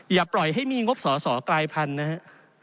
อย่าปล่อยให้มีงบสอกลายพันนะฮะ